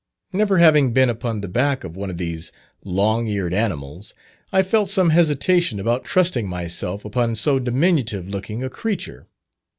Never having been upon the back of one of these long eared animals, I felt some hesitation about trusting myself upon so diminutive looking a creature.